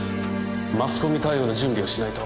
マスコミ対応の準備をしないと。